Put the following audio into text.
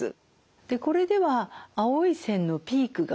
でこれでは青い線のピークが３つあります。